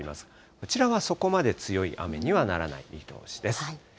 こちらはそこまで強い雨にはならない見通しです。